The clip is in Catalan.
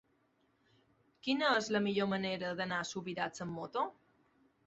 Quina és la millor manera d'anar a Subirats amb moto?